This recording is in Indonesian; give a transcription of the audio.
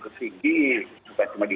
karena kita masih